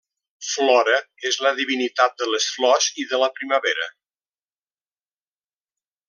Flora és la divinitat de les flors i de la primavera.